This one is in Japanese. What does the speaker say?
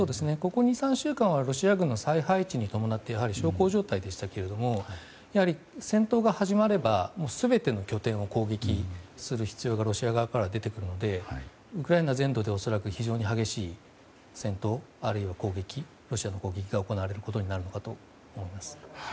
ここ２３週間は小康状態でしたが戦闘が始まれば全ての拠点を攻撃する必要がロシア側からは出てくるのでウクライナ全土で、非常に激しい戦闘、あるいはロシアの攻撃が行われると思います。